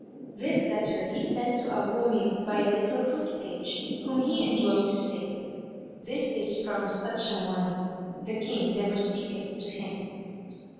This letter he sent to Abu Amir by a little foot page, whom he enjoined to say, "This is from such an one: the King never speaketh to him."